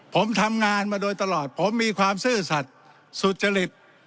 ผมทำงานมาโดยตลอดผมมีความซื่อสัตว์สุจริต